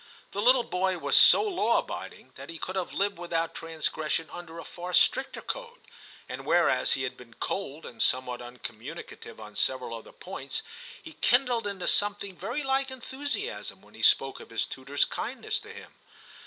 The little boy was so law abiding that he could have lived without transgression under a far stricter code, and whereas he had been cold and somewhat uncommunicative on several other points, he kindled into some thing very like enthusiasm when he spoke of his tutor s kindness to him.